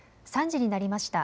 ３時になりました。